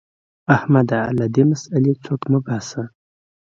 احمده! له دې مسئلې څخه سوک مه باسه.